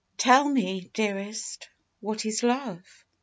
Tell me, dearest, what is love?